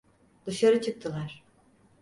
Dışarı çıktılar.